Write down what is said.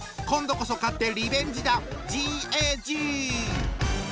今度こそ勝ってリベンジだ！